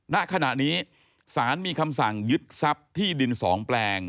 ณขณะนี้สารมีคำสั่งยึดทรัพย์ที่ดิน๒แปลง